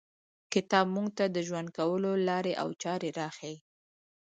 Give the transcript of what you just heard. کتاب موږ ته د ژوند کولو لاري او چاري راښیي.